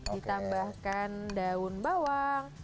ditambahkan daun bawang